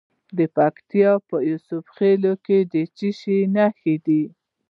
د پکتیکا په یوسف خیل کې د څه شي نښې دي؟